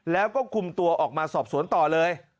แล้วก็คุมตัวออกมาสอบสวนต่อเลย